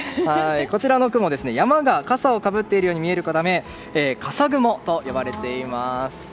こちらの雲は山が笠をかぶっているように見えることから笠雲と呼ばれています。